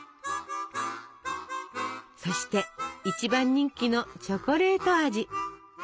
そして一番人気のチョコレート味。